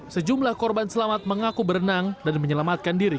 sejumlah korban selamat mengaku berenang dan menyelamatkan diri